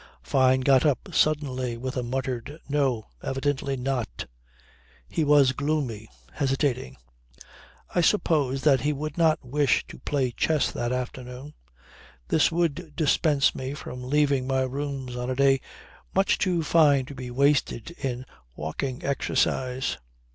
Fyne got up suddenly with a muttered "No, evidently not." He was gloomy, hesitating. I supposed that he would not wish to play chess that afternoon. This would dispense me from leaving my rooms on a day much too fine to be wasted in walking exercise.